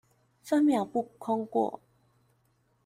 分秒不空過